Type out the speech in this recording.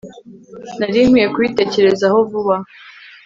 nari nkwiye kubitekerezaho vuba